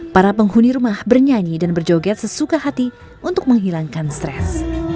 para penghuni rumah bernyanyi dan berjoget sesuka hati untuk menghilangkan stres